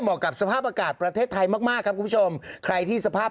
เหมาะกับสภาพอากาศประเทศไทยมากครับผู้ชมใครที่สภาพ